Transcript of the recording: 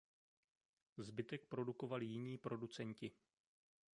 Zbytek produkovali jiní producenti.